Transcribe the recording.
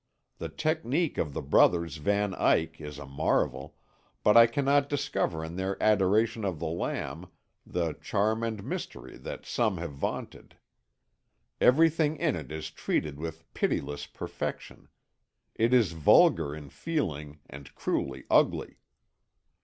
The technique of the brothers Van Eyck is a marvel, but I cannot discover in their Adoration of the Lamb the charm and mystery that some have vaunted. Everything in it is treated with a pitiless perfection; it is vulgar in feeling and cruelly ugly.